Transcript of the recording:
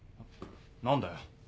何だよ。